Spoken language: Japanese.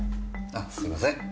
あすいません。